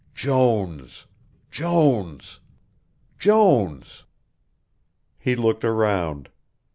"Jones Jones Jones." He looked around.